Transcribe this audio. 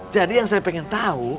jadi yang saya pengen tahu